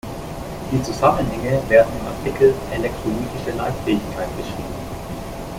Die Zusammenhänge werden im Artikel Elektrolytische Leitfähigkeit beschrieben.